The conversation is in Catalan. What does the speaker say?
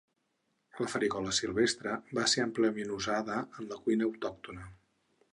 La farigola silvestre va ser àmpliament usada en la cuina autòctona.